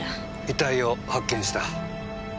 遺体を発見した。